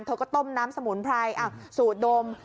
เธอก็ต้มน้ำสมุนไพรสูตรดม